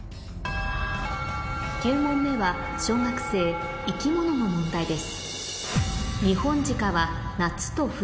９問目は小学生生き物の問題です